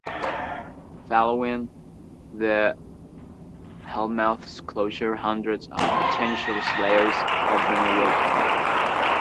Following the Hellmouth's closure, hundreds of potential slayers have been awakened.